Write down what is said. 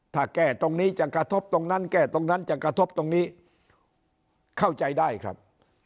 ถ้าแก้ตรงนี้จะกระทบตรงนั้นแก้ตรงนั้นจะกระทบตรงนี้เข้าใจได้ครับ